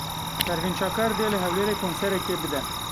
Pervîn Çakar dê li Hewlêrê konserekê bide.